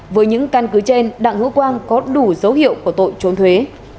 với những căn cứ trên đặng hữu quang có đủ dấu hiệu của tội trốn thuế